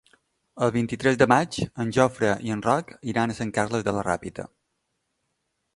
El vint-i-tres de maig en Jofre i en Roc iran a Sant Carles de la Ràpita.